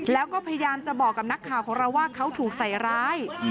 แล้วก็พยายามจะบอกกับนักข่าวของเราว่าเขาถูกใส่ร้าย